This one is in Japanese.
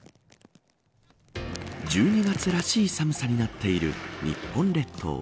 １２月らしい寒さになっている日本列島。